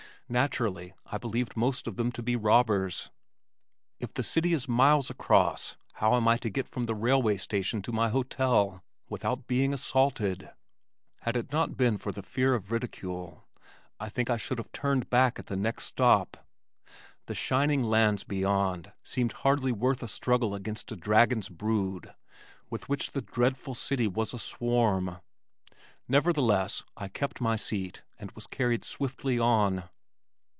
Naturally I believed most of them to be robbers. "If the city is miles across, how am I to get from the railway station to my hotel without being assaulted?" Had it not been for the fear of ridicule, I think I should have turned back at the next stop. The shining lands beyond seemed hardly worth a struggle against the dragon's brood with which the dreadful city was a swarm. Nevertheless I kept my seat and was carried swiftly on.